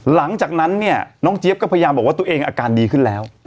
หลังจากนั้นเนี่ยน้องเจี๊ยบก็พยายามบอกว่าตัวเองอาการดีขึ้นแล้ว